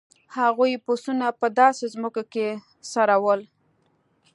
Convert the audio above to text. هغوی پسونه په داسې ځمکو کې څرول.